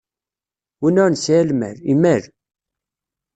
Win ur nesɛi lmal, imal.